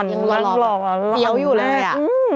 ยังรอเตี๊ยวอยู่เลยอะ